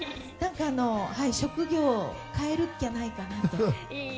職業を変えるっきゃないかなと。